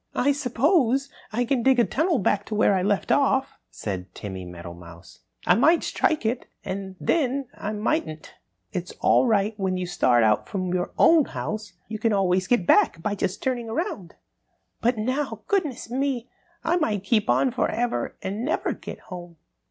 "I suppose I can dig a tunnel back to where I left off," said Timmy Meadowmouse. "I might strike it and then again I mightn't. It's all right when you start out from your own house. You can always get back by just turning around. But now, goodness me! I might keep on for ever and never get home."